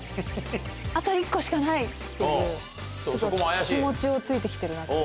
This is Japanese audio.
「あと１個しかない！」っていう気持ちを突いて来てるなと。